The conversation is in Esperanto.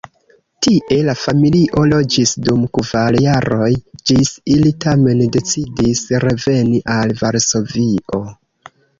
Tie la familio loĝis dum kvar jaroj, ĝis ili tamen decidis reveni al Varsovio.